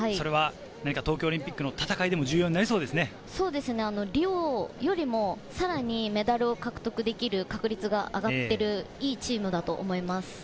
東京オリンピックの戦いでも重要にリオよりもさらにメダルを獲得できる確率が上がっているいいチームだと思います。